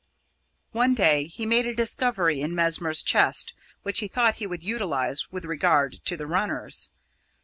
One day he made a discovery in Mesmer's chest which he thought he would utilise with regard to the runners.